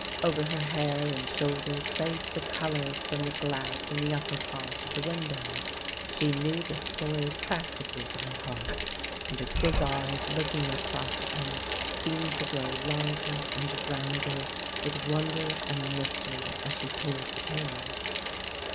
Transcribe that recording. Over her hair and shoulder played the colours from the glass in the upper part of the window. She knew the story practically by heart and her big eyes looking across at him seemed to grow larger and rounder with wonder and mystery as she told the tale.